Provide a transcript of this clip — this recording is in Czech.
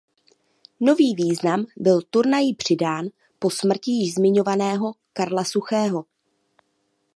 Nový význam byl turnaji přidán po smrti již zmiňovaného Karla Suchého.